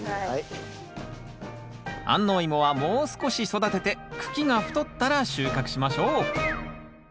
安納いもはもう少し育てて茎が太ったら収穫しましょう。